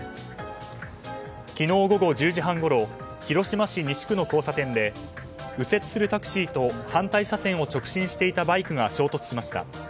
昨日午後１０時半ごろ広島市西区の交差点で右折するタクシーと反対車線を直進していたバイクが衝突しました。